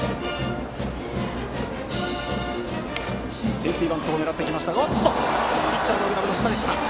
セーフティーバントを狙ってピッチャーのグラブの下でした。